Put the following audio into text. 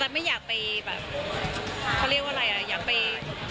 แต่ไม่อยากไปแบบเขาเรียกว่าอะไร